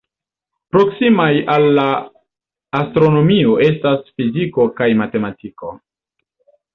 Proksimaj al la astronomio estas fiziko kaj matematiko.